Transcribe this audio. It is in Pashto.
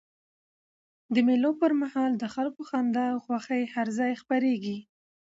د مېلو پر مهال د خلکو خندا او خوښۍ هر ځای خپریږي.